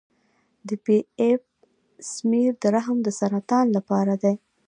د پی ایپ سمیر د رحم د سرطان لپاره دی.